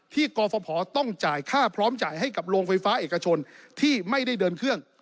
กรฟภต้องจ่ายค่าพร้อมจ่ายให้กับโรงไฟฟ้าเอกชนที่ไม่ได้เดินเครื่อง